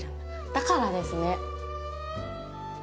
だからですね。